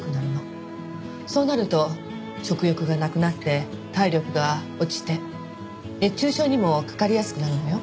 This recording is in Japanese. そうなると食欲がなくなって体力が落ちて熱中症にもかかりやすくなるのよ。